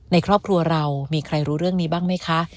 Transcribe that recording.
ในครอบครัวเรามีใครรู้เรื่องนี้บ้างไหมคะ